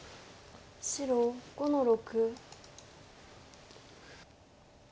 白５の六。